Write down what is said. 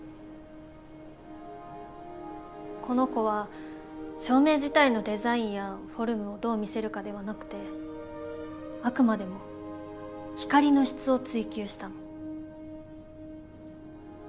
この子は照明自体のデザインやフォルムをどう見せるかではなくてあくまでも光の質を追求したの。